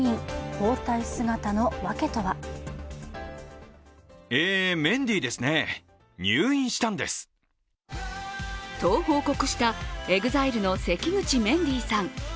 包帯姿のわけとは。と報告したＥＸＩＬＥの関口メンディーさん。